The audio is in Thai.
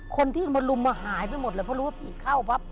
คนที่มาลุมมาหายไปหมดเลยเพราะรู้ว่าผีเข้าปั๊บ